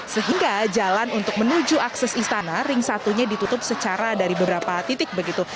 sehingga jalan untuk menuju akses istana ring satunya ditutup secara dari beberapa titik begitu